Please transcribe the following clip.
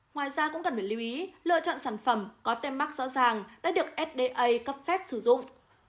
ngoài ra cũng cần phải lưu ý lựa chọn sản phẩm có tem mắc rõ ràng đã được fda cấp phép sử dụng